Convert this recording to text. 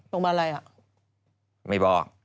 ลงบาร่ายไหนบอก